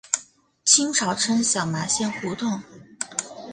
清朝称小麻线胡同。